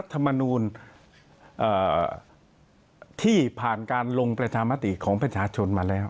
ธรรมนูลที่ผ่านการลงประชามติของประชาชนมาแล้ว